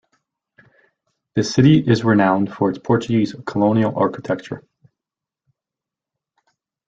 The city is renowned for its Portuguese colonial architecture.